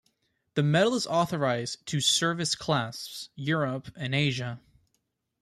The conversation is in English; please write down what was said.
The medal is authorized two service clasps: "Europe" and "Asia".